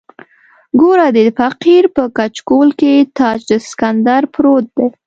ګوره د فقیر په کچکول کې تاج د سکندر پروت دی.